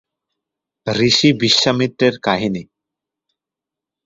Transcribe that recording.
ঋষি বিশ্বামিত্রের কাহিনি।